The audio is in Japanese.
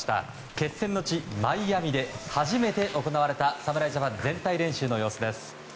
決戦の地、マイアミで初めて行われた侍ジャパン全体練習の様子です。